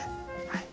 はい。